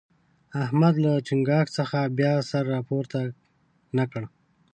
احمد له چينګاښ څخه بیا سر راپورته نه کړ.